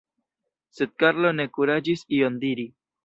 Sed Karlo ne kuraĝis ion diri.